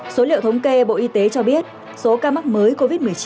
số liệu thống kê bộ y tế cho biết số ca mắc mới covid một mươi chín